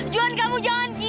juan kamu jangan gila ya